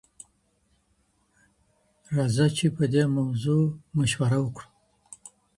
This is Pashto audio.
راځه چي په دې موضوع مشوره وکړو.